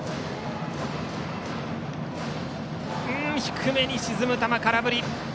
低めに沈む球、空振り。